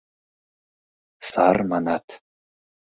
— Сар, манат...